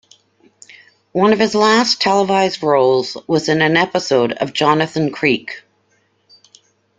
One of his last televised roles was in an episode of "Jonathan Creek".